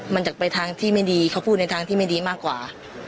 มันจะไปทางที่ไม่ดีเขาพูดในทางที่ไม่ดีมากกว่า